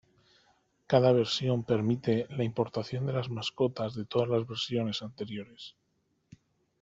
Cada versión permite la importación de las mascotas de todas las versiones anteriores.